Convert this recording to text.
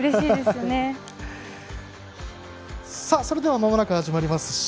それではまもなく始まります。